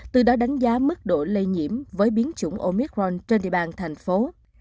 từ đó đánh giá mức độ lây nhiễm với biến chủng omicron trên địa bàn thành phố